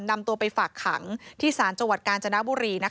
นำตัวไปฝากขังที่ศาลจังหวัดกาญจนบุรี